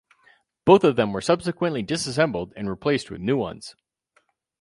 Both of them were subsequently disassembled and replaced with new ones.